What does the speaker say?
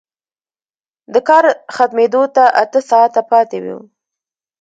د کار ختمېدو ته اته ساعته پاتې وو